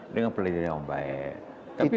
dengan pendidikan yang baik